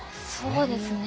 そうですね。